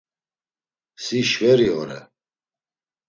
Si şveri ore.